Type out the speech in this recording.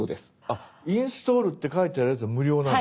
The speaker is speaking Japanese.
あっ「インストール」って書いてあるやつは無料なんですね。